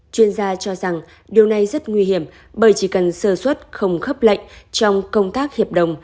chuyên gia cho rằng điều này rất nguy hiểm bởi chỉ cần sơ xuất không khấp lệnh trong công tác hiệp đồng